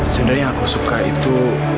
sebenarnya yang aku suka itu